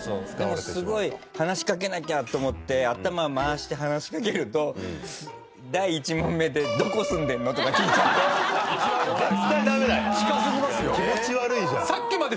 でもすごい話しかけなきゃって思って頭を回して話しかけると第１問目で「どこ住んでるの？」とか聞いちゃって。